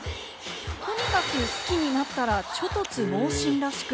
とにかく好きになったら猪突猛進らしく。